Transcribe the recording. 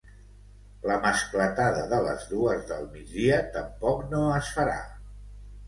La mascletada de les dues del migdia tampoc no es farà.